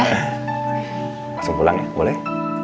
langsung pulang ya boleh